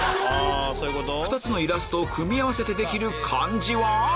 ２つのイラストを組み合わせてできる漢字は？